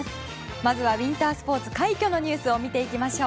まずはウィンタースポーツ快挙のニュースを見ていきましょう。